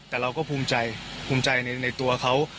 แต่เราก็ภูมิใจภูมิใจในตัวเขา